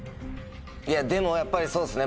いやでもやっぱりそうっすね